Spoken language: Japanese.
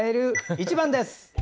１番です！